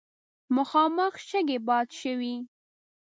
مخامخ شګې باد شوې.